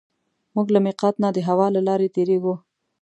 موږ له مېقات نه د هوا له لارې تېرېږو.